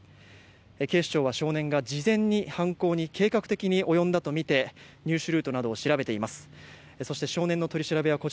警視庁は少年が事前に犯行に計画的に及んだとみて入手ルートなどを調べています。